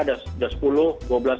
kita udah sepuluh